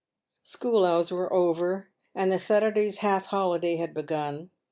School hours were over, and the Saturday's half holiday had begun.